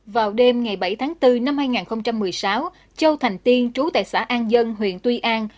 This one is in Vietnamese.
vào đêm ngày bảy tháng bốn năm hai nghìn một mươi sáu châu thành tiên trú tại xã an dân huyện tuy an